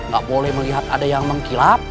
gak boleh melihat ada yang mengkilap